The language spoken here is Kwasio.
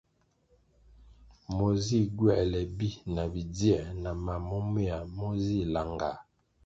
Me zih gywoēle bi na bidzie na mam momeya mo zih langah.